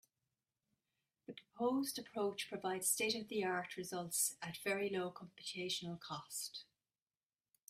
The proposed approach provides state-of-the-art results at very low computational cost.